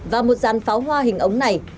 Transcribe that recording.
và một dàn pháo hoa hình ống này